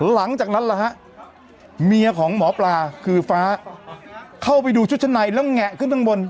หลังจากนั้นล่ะฮะเมียของหมอปลาคือฟ้าเข้าไปดูชุดชั้นในแล้วแงะขึ้นข้างบน